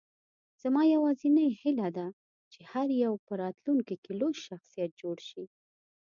زما یوازینۍ هیله ده، چې هر یو په راتلونکې کې لوی شخصیت جوړ شي.